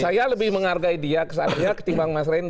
saya lebih menghargai dia kesannya ketimbang mas randy